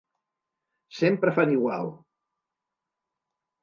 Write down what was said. Sempre fan igual!